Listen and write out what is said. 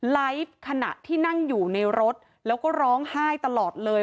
ไลฟ์ขณะที่นั่งอยู่ในรถแล้วก็ร้องไห้ตลอดเลย